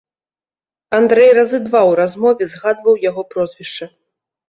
Андрэй разы два ў размове згадваў яго прозвішча.